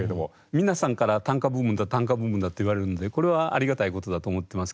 皆さんから「短歌ブームだ短歌ブームだ」って言われるんでこれはありがたいことだと思ってますけどね。